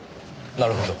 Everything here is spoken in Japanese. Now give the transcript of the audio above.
なるほど。